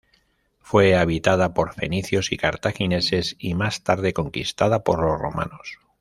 Fue habitada por fenicios y cartagineses, y más tarde conquistada por los romanos.